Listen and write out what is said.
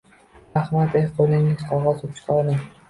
Rahmat-ey, qo`lingizga qog`oz ruchka oling